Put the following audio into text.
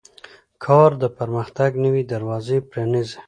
کار د پرمختګ نوې دروازې پرانیزي